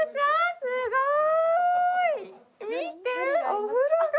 すごーい！